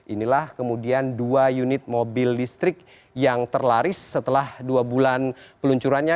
inilah kemudian dua unit mobil listrik yang terlaris setelah dua bulan peluncurannya